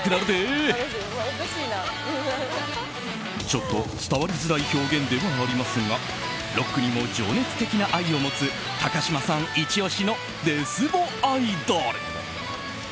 ちょっと伝わりづらい表現ではありますがロックにも情熱的な愛を持つ高嶋さんイチ押しのデスボアイドル。